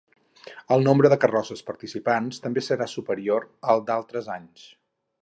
El nombre de carrosses participants també serà superior al d’altres anys.